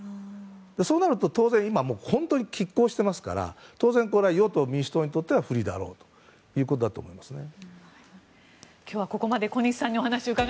そうなると当然今は本当に拮抗してますからこれは与党・民主党にとっては不利だろうと思いますね。